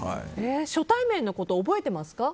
初対面のこと、覚えてますか？